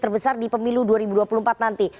terbesar di pemilu dua ribu dua puluh empat nanti